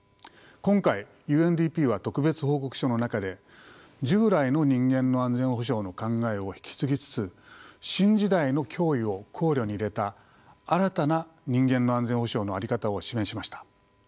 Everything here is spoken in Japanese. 今回ＵＮＤＰは特別報告書の中で従来の人間の安全保障の考えを引き継ぎつつ新時代の脅威を考慮に入れた新たな人間の安全保障の在り方を示しました。